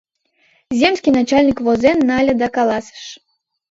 Земский начальник возен нале да каласыш: